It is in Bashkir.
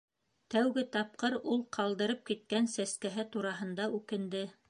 Тәүге тапҡыр ул ҡалдырып киткән сәскәһе тураһында үкенде.